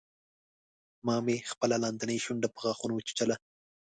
ما مې خپله لاندۍ شونډه په غاښونو وچیچله